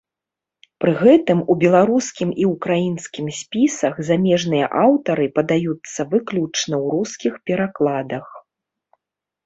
Пры гэтым, у беларускім і ўкраінскім спісах замежныя аўтары падаюцца выключна ў рускіх перакладах.